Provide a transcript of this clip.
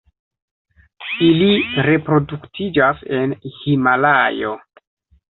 Ili reproduktiĝas en Himalajo.